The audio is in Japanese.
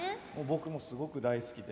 僕もすごく大好きで。